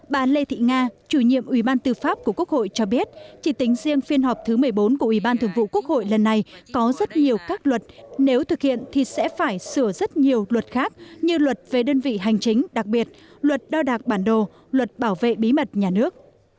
bà lê thị nga chủ nhiệm ủy ban tư pháp của quốc hội cho biết chỉ tính riêng phiên họp thứ một mươi bốn của ủy ban thường vụ quốc hội lần này có rất nhiều các luật nếu thực hiện thì sẽ phải sửa rất nhiều luật khác như luật về đơn vị hành chính đặc biệt luật đo đạc bản đồ luật bảo vệ bí mật nhà nước